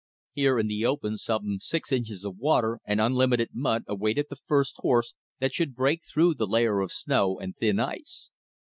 Here in the open some six inches of water and unlimited mud awaited the first horse that should break through the layer of snow and thin ice.